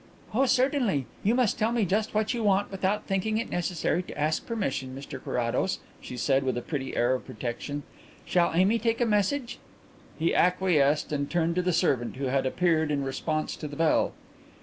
"Oh, certainly. You must tell me just what you want without thinking it necessary to ask permission, Mr Carrados," she said, with a pretty air of protection. "Shall Amy take a message?" He acquiesced and turned to the servant who had appeared in response to the bell.